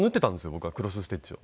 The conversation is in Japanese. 僕はクロスステッチを。